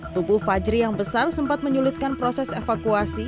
tubuh fajri yang besar sempat menyulitkan proses evakuasi